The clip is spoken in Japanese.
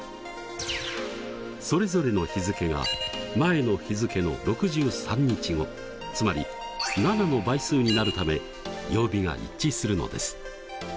それぞれの日付が前の日付の６３日後つまり７の倍数になるため曜日が一致するのです。